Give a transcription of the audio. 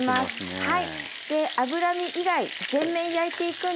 はい。